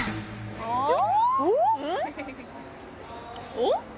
おっ？